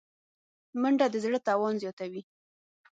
منډه د زړه توان زیاتوي